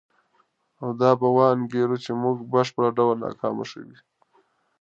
او دا به وانګیري چې موږ په بشپړ ډول ناکام شوي یو.